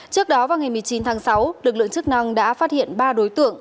trước đó vào ngày một mươi chín tháng sáu lực lượng chức năng đã phát hiện ba đối tượng